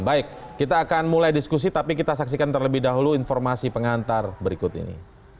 baik kita akan mulai diskusi tapi kita saksikan terlebih dahulu informasi pengantar berikut ini